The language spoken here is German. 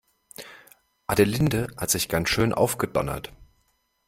Adelinde hat sich ganz schön aufgedonnert.